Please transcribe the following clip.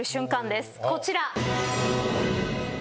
こちら。